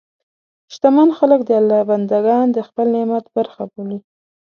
شتمن خلک د الله بندهګان د خپل نعمت برخه بولي.